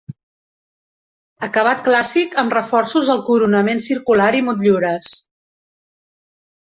Acabat clàssic amb reforços al coronament circular i motllures.